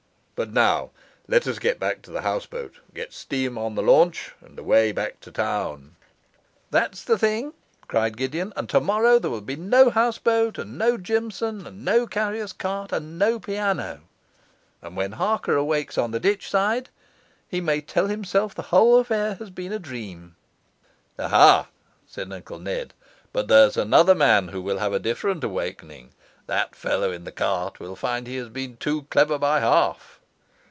But now, let us get back to the houseboat, get up steam on the launch, and away back to town.' 'That's the thing!' cried Gideon; 'and tomorrow there will be no houseboat, and no Jimson, and no carrier's cart, and no piano; and when Harker awakes on the ditchside, he may tell himself the whole affair has been a dream.' 'Aha!' said Uncle Ned, 'but there's another man who will have a different awakening. That fellow in the cart will find he has been too clever by half.